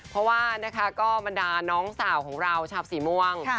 เพราะว่าเพลียดชาวสีม่วง